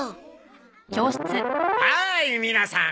はーい皆さん。